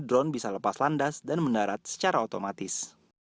drone bisa lepas landas dan mendarat secara otomatis